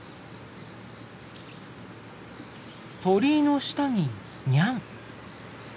鳥居の下にニャン。